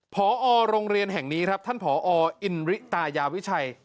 พอโรงเรียนแห่งนี้ครับท่านผออินริตายาวิชัย